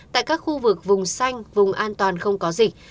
tại các khu vực vùng xanh vùng an toàn không có dịch